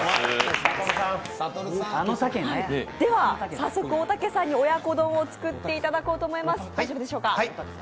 早速大嶽さんに親子丼を作っていただこうと思います。